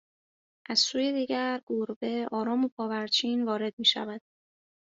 از سوی دیگر گربه آرام و پاورچین وارد میشود